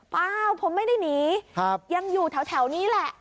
เปล่าผมไม่ได้หนียังอยู่แถวนี้แหละ